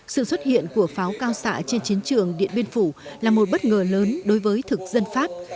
sự xuất hiện của pháo cao xạ trên chiến trường điện biên phủ là một bất ngờ lớn đối với thực dân pháp